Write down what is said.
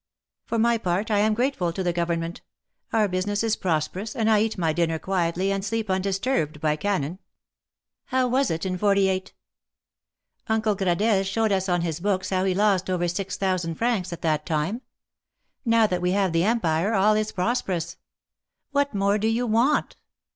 " For my part, I am grateful to the Government. Our business is prosperous, and I eat my dinner quietly and sleep undisturbed by cannon. How was it in '48 ? Uncle Gradelle showed us on his books how he lost over six thousand francs at that time. Now that we have the Empire, all is prosperous. What more do you want?